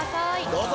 どうぞ！